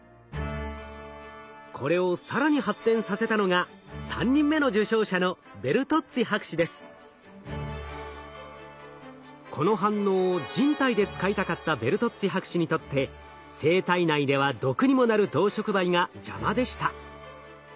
これを更に発展させたのが３人目の受賞者のこの反応を人体で使いたかったベルトッツィ博士にとって生体内では毒にもなる銅触媒が邪魔でした。